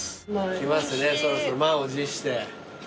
来ますねそろそろ満を持して。